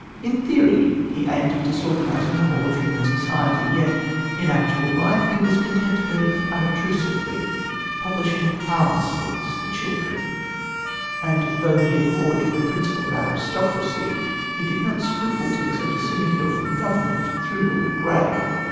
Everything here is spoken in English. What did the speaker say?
In theory he aimed at disorganising the whole of human society, yet in actual life he was content to live unobtrusively, publishing harmless books for children; and though he abhorred the principle of aristocracy, he did not scruple to accept a sinecure from government through Lord Grey.